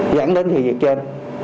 dẫn đến việc trên